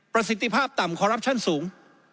ประสิทธิภาพต่ำคอรัปชั่นสูง